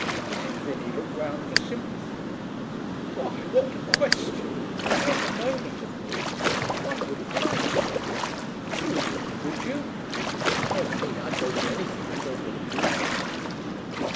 Mrs. Vinney looked round for sympathy. 'Why, what a question! It's not the moment, of course. One wouldn't like to. You wouldn't, would you?' 'Oh, me. I'd go to anything I thought would amuse me.'